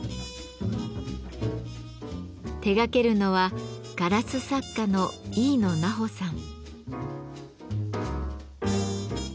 手がけるのはガラス作家のイイノナホさん。